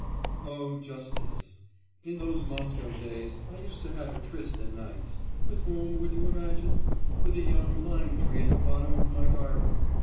'Oh, just this. In those Moscow days I used to have a tryst at nights with whom, would you imagine? with a young lime tree at the bottom of my garden.